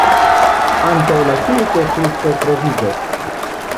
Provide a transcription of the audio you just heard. Antaŭ la kirko kruco troviĝas.